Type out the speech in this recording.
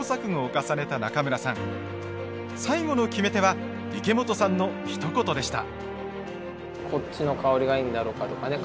最後の決め手は池本さんのひと言でした。